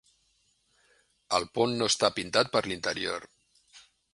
El pont no està pintat per l'interior.